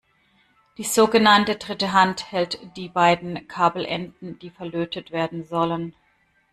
Die sogenannte Dritte Hand hält die beiden Kabelenden, die verlötet werden sollen.